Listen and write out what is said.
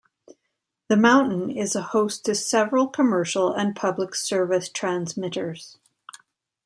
The mountain is a host to several commercial and public service transmitters.